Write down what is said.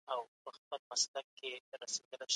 که مشوره روانه وي نو ستونزه نه اوږدېږي.